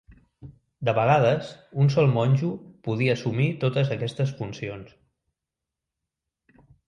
De vegades, un sol monjo podia assumir totes aquestes funcions.